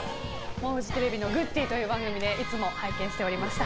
フジテレビの「グッディ！」という番組でいつも拝見しておりました。